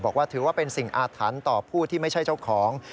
บอกว่าถือว่าเป็นสิ่งอาถรรพ์ต่อผู้ที่ไม่ใช่เจ้าของ